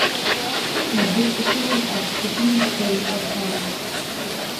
Сыт абы цӀыхур къиӀэпхъукӀын хуей щӀэхъуар?